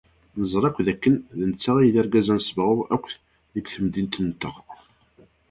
Neẓra akk dakken d netta ay d argaz anesbaɣur akk deg temdint-nteɣ.